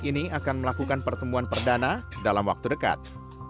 treni dan treni ini akan melakukan pertemuan perdana dalam waktu dekat